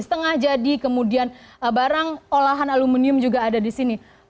setengah jadi kemudian barang olahan aluminium juga ada di sini